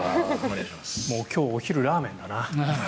今日お昼ラーメンだな。